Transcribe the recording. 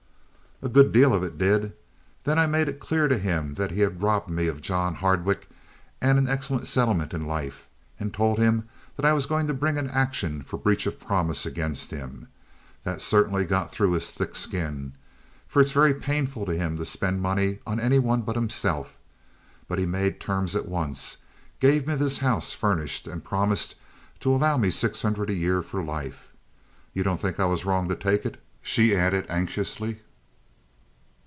"A good deal of it did. Then I made it clear to him that he had robbed me of John Hardwicke and an excellent settlement in life, and told him that I was going to bring an action for breach of promise against him. That certainly got through his thick skin, for it's very painful to him to spend money on any one but himself. But he made terms at once, gave me this house furnished, and promised to allow me six hundred a year for life. You don't think I was wrong to take it?" she added anxiously.